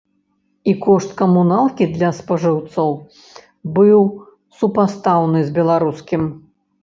І кошт камуналкі для спажыўцоў быў супастаўны з беларускім.